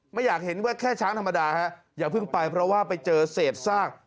ไม่อยากเห็นว่าแค่ช้างธรรมดาฮะอย่าเพิ่งไปเพราะว่าไปเจอเศษซาก